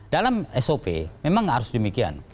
dalam sop memang harus demikian